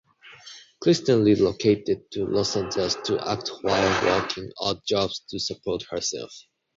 Kristen relocated to Los Angeles to act while working odd jobs to support herself.